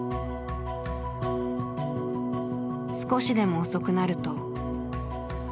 少しでも遅くなると。